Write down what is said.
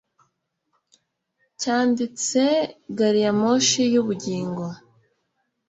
cyanditse gariyamoshi yubugingo